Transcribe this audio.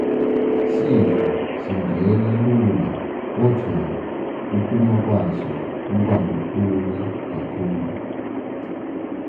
Sifo singena lula kodvwa kuphuma kwaso kubalukhuni kakhulu.